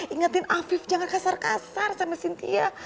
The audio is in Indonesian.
ingatin afif jangan kasar kasar sama sintia